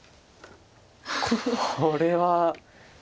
これは。